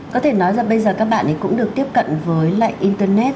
có thể nói là bây giờ các bạn ấy cũng được tiếp cận với lại internet